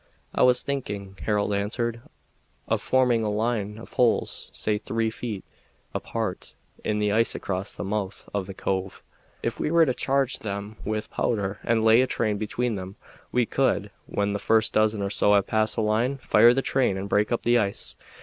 "I was thinking," Harold answered, "of forming a line of holes, say three feet apart, in the ice across the mouth of the cove. If we were to charge them with powder and lay a train between them, we could, when the first dozen or so have passed the line, fire the train and break up the ice.